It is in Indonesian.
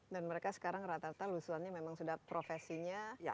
dan mereka sekarang rata rata lulusannya memang sudah profesinya musisi ya